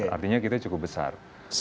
artinya kita cukup besar